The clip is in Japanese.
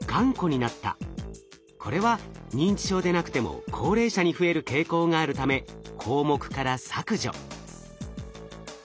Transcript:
これは認知症でなくても高齢者に増える傾向があるため項目から削除。